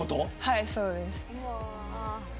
はい、そうです。